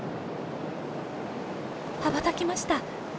羽ばたきました。